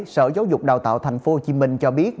sở giáo dục đào tạo thành phố hồ chí minh cho biết